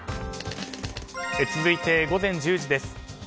続いて、午前１０時です。